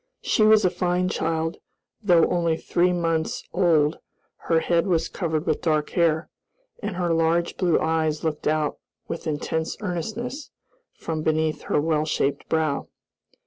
She was a fine child; though only three months old her head was covered with dark hair, and her large blue eyes looked out with intense earnestness from beneath her well shaped brow.